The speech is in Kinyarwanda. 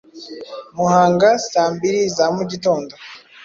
Muhanga saa mbiri za mu gitondo,